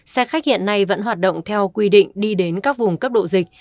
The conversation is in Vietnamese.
xe khách hiện nay vẫn hoạt động theo quy định đi đến các vùng cấp độ dịch